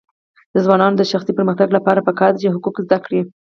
د ځوانانو د شخصي پرمختګ لپاره پکار ده چې حقوق زده کړي.